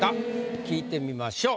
聞いてみましょう。